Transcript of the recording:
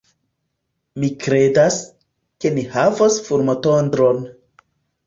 Mi kredas, ke ni havos fulmotondron.